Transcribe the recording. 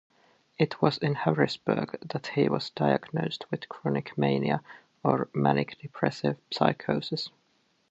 It was in Harrisburg that he was diagnosed with chronic mania, or manic-depressive psychosis.